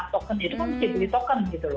token itu kan mesti beli token gitu loh